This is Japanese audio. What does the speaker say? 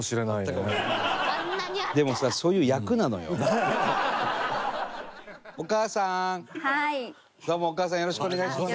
どうもお母さんよろしくお願いします。